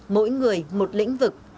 mỗi người một lĩnh vực